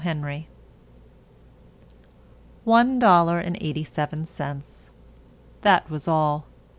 Henry One dollar and eighty seven cents. That was all.